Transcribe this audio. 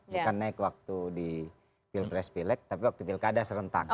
bukan naik waktu di pilkada spilag tapi waktu di pilkada serentak